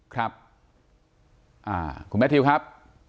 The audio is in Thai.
ครับคุณแมททิวครับ